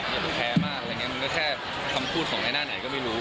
อย่าเพิ่งแพ้มากอะไรอย่างนี้มันก็แค่คำพูดของไอ้หน้าไหนก็ไม่รู้